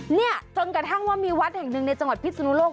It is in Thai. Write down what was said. เนี่ยจนกระทั่งว่ามีวัดแห่งหนึ่งในจังหวัดพิศนุโลก